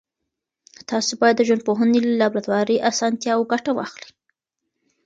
تاسو باید د ژوندپوهنې له لابراتواري اسانتیاوو ګټه واخلئ.